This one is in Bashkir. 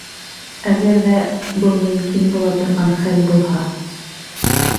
Әгәр ҙә был мөмкин була торған хәл булһа.